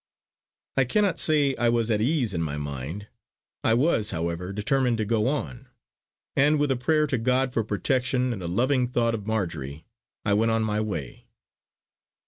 I cannot say I was at ease in my mind, I was, however, determined to go on; and with a prayer to God for protection, and a loving thought of Marjory, I went on my way.